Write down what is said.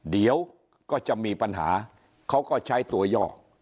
เดี๋ยวก็จะมีปัญหาเขาก็ใช้ตัวย่อ